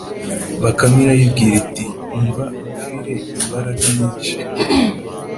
bakame irayibwira iti umva ufire imbaraga nyinshi,